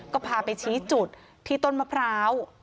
ก็พาไปชี้จุดที่ต้นมะพร้าว